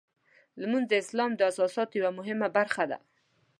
لمونځ د اسلام د اساساتو یوه مهمه برخه ده.